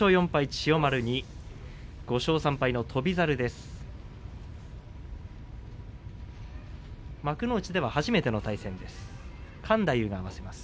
千代丸に５勝３敗の翔猿です。